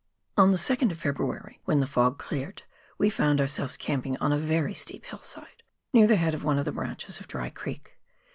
On the 2nd of February, when the fog cleared, we found ourselves camping on a very steep hillside, near the head of one of the branches of Dry Creek.